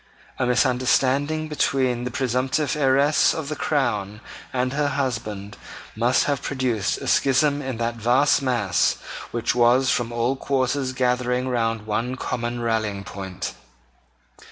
A misunderstanding between the presumptive heiress of the crown and her husband must have produced a schism in that vast mass which was from all quarters gathering round one common rallying point.